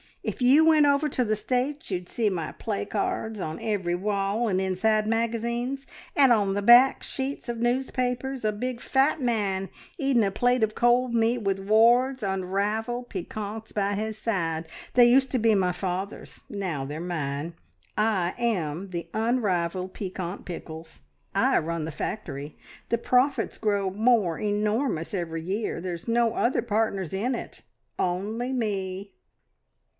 If you went over to the States you'd see my placards on every wall, and inside magazines, and on the back sheets of newspapers a big, fat man eating a plate of cold meat with Ward's unrivalled piquants by his side. They used to be my father's: now they're mine. I am the Unrivalled Piquant Pickles. I run the factory. The profits grow more e normous every year. There's no other partners in it, only Me!"